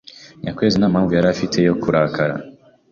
Nyakwezi nta mpamvu yari afite yo kurakara.